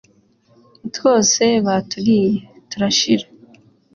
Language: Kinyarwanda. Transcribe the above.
twose baturiye turashira.